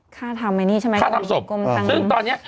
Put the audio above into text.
ค่าทำอันนี้ใช่ไหมค่าทำศพซึ่งตอนนี้